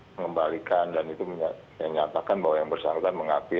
mengembalikan dan menyatakan bahwa yang bersyaratkan mengakui